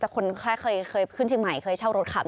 คนเข้าเชี่ยงใหม่เคยเช่ารถขับ